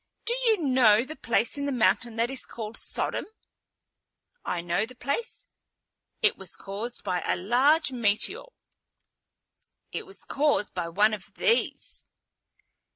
Do you know the place in the mountain that is called Sodom?" "I know the place. It was caused by a large meteor." "It was caused by one of these."